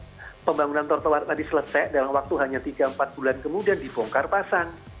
itulah kenapa setiap pembangunan protowar tadi selesai dalam waktu hanya tiga empat bulan kemudian dibongkar pasang